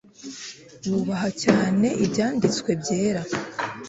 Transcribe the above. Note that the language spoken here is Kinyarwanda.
Wubaha cyane Ibyanditswe Byera